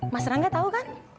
mas ranggai tau kan